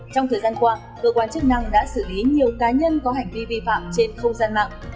trong thời gian qua cơ quan chức năng đã xử lý nhiều cá nhân có hành vi vi phạm trên không gian mạng